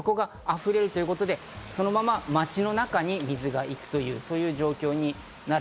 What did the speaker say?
そこが溢れるということで、そのまま町の中に水が行く、そういう状況になる。